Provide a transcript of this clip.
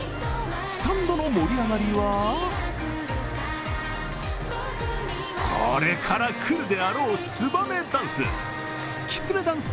スタンドの盛り上がりはこれからくるであろうつばめダンス。